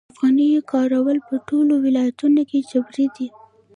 د افغانیو کارول په ټولو ولایتونو کې جبري دي؟